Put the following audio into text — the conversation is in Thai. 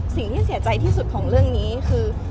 สิ่งที่เสียใจที่สุดของเรื่องนี้คือ